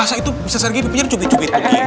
masa itu bisa sergi pipinya dan cucuk itu